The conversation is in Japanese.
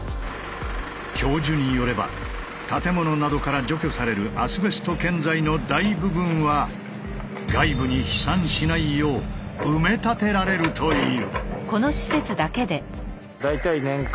教授によれば建物などから除去されるアスベスト建材の大部分は外部に飛散しないよう埋め立てられるという。